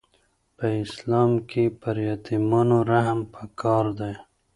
په اسلام کي پر یتیمانو رحم پکار دی.